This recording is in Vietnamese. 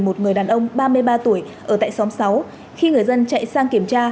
một người đàn ông ba mươi ba tuổi ở tại xóm sáu khi người dân chạy sang kiểm tra